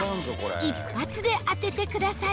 一発で当ててください